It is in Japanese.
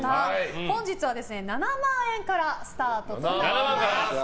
本日は７万円からスタートとなっています。